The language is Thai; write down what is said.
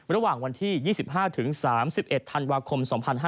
ระหว่างวันที่๒๕๓๑ธันวาคม๒๕๕๙